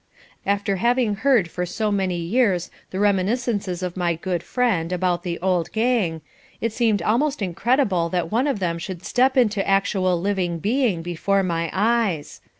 After having heard for so many years the reminiscences of my good friend about the old gang, it seemed almost incredible that one of them should step into actual living being before my eyes.